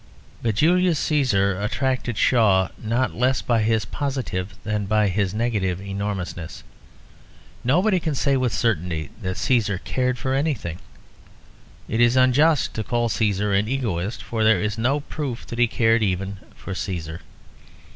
But Julius Cæsar attracted Shaw not less by his positive than by his negative enormousness. Nobody can say with certainty that Cæsar cared for anything. It is unjust to call Cæsar an egoist; for there is no proof that he cared even for Cæsar.